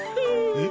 えっ？